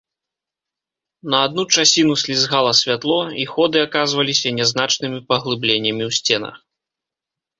На адну часіну слізгала святло, і ходы аказваліся нязначнымі паглыбленнямі ў сценах.